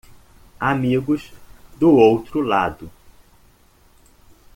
Amigos do outro lado